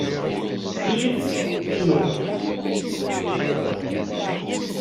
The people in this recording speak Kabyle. Ti inu.